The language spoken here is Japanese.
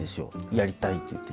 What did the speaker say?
「やりたい」って言って。